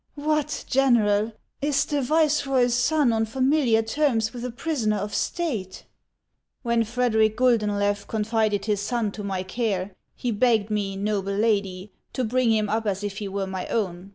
" What, General ! Is the viceroy's son on familiar terms with a prisoner of state ?"" When Frederic Guldenlew confided his son to my care, he begged me, noble lady, to bring him up as if he were my own.